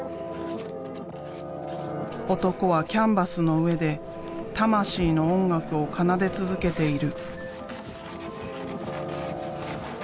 男はキャンバスの上で魂の音楽を奏で続けている。